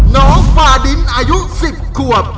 น้องฝ่าดินอายุ๑๐ควร